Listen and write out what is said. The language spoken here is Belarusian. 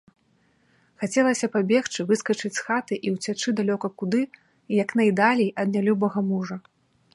Хацелася пабегчы, выскачыць з хаты і ўцячы далёка куды, як найдалей ад нялюбага мужа.